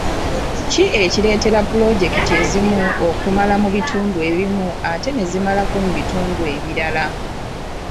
Kiki ekireetera puloojekiti ezimu okulema mu bitundu ebimu ate ne zimalako mu bitundu ebirala?